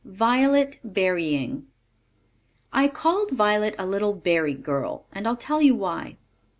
VIOLET BERRYING. I called Violet a little berry girl, and I'll tell you why.